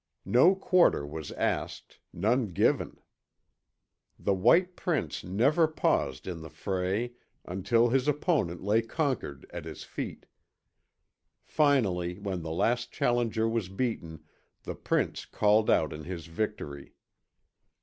No quarter was asked, none given. The white prince never paused in the fray until his opponent lay conquered at his feet. Finally, when the last challenger was beaten, the prince called out in his victory.